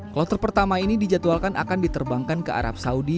kloter pertama ini dijadwalkan akan diterbangkan ke arab saudi